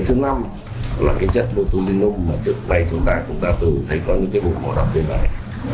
thứ năm là cái chất botulinum mà trước đây chúng ta cũng đã tự thấy có những cái bụng màu đậm trên này